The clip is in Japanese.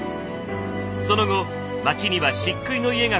その後町には漆喰の家が増えていき